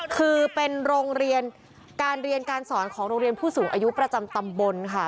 คือเป็นโรงเรียนการเรียนการสอนของโรงเรียนผู้สูงอายุประจำตำบลค่ะ